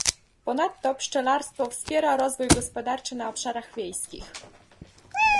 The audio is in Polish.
Ponadto pszczelarstwo wspiera rozwój gospodarczy na obszarach wiejskich